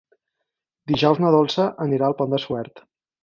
Dijous na Dolça anirà al Pont de Suert.